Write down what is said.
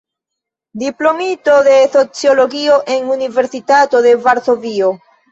Diplomito de sociologio en Universitato de Varsovio.